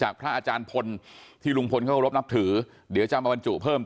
จากพระอาจารย์พลที่ลุงพลเข้ารพนับถือเดี๋ยวจะมาบรรจุ